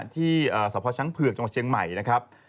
ที่สพช้างเผือกจังหวัดเชียงใหม่นะครับ